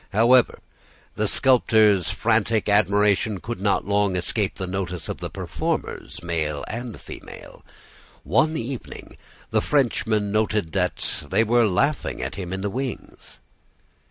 However, the sculptor's frantic admiration could not long escape the notice of the performers, male and female. One evening the Frenchman noticed that they were laughing at him in the wings.